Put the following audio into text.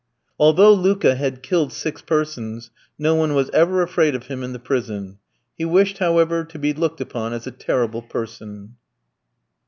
Although Luka had killed six persons, no one was ever afraid of him in the prison. He wished, however, to be looked upon as a terrible person.